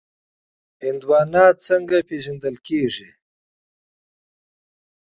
تربوز څنګه پیژندل کیږي؟